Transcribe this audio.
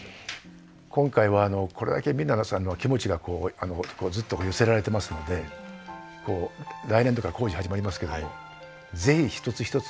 今回はこれだけ皆さんの気持ちがずっと寄せられてますので来年度から工事始まりますけど是非一つ一つ